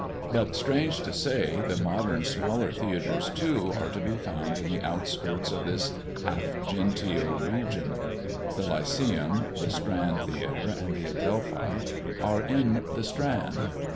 But, strange to say, the modern smaller theatres, too, are to be found in the outskirts of this half genteel region. The Lyceum, the Strand theatre, and the Adelphi, are in the Strand.